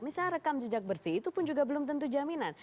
misalnya rekam jejak bersih itu pun juga belum tentu jaminan